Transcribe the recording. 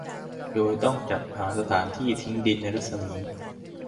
โดยต้องจัดหาสถานที่ทิ้งดินในรัศมี